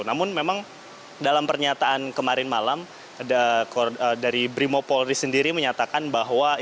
namun memang dalam pernyataan kemarin malam dari brimo polri sendiri menyatakan bahwa